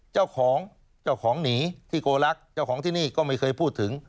เจ้าของเจ้าของหนีที่โกลักษณ์เจ้าของที่นี่ก็ไม่เคยพูดถึง